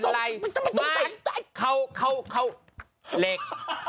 เหล็ก